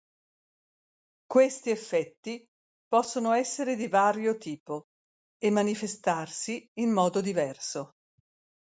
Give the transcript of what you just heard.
Questi effetti possono essere di vario tipo e manifestarsi in modo diverso.